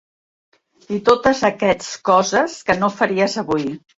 I totes aquests coses que no faries avui.